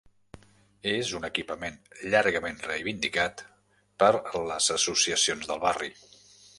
És un equipament llargament reivindicat per les associacions del barri.